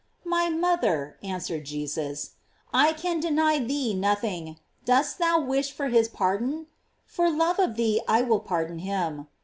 "My Mother," answered Jesus, "I can deny thee nothing ; dost thou wish for his pardon ? for love of thee I will pardon him.